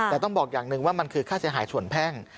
แต่ต้องบอกอย่างหนึ่งว่ามันคือค่าเสียหายส่วนแพ่ง